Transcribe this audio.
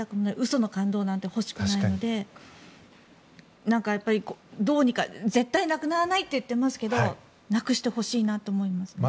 嘘の感動なんて欲しくないのでどうにか絶対なくならないといっていますがなくしてほしいなと思いますね。